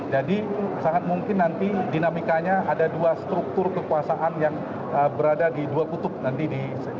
jadi sangat mungkin nanti dinamikanya ada dua struktur kekuasaan yang berada di ketua umum